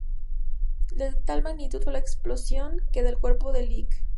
De tal magnitud fue la explosión, que del cuerpo del Lic.